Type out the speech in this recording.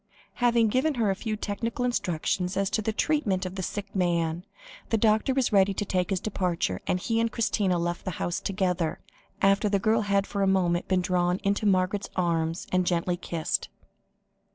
Having given her a few technical instructions as to the treatment of the sick man, the doctor was ready to take his departure, and he and Christina left the house together, after the girl had for a moment been drawn into Margaret's arms, and gently kissed.